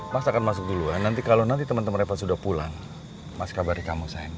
mas akan masuk duluan nanti kalau nanti teman teman repot sudah pulang mas kabari kamu sayang